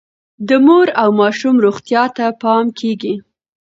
د مور او ماشوم روغتیا ته پام کیږي.